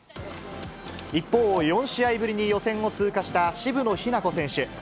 一方、４試合ぶりに予選を通過した渋野日向子選手。